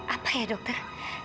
apa ya dokter